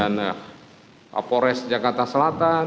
kemudian pak pores jakarta selatan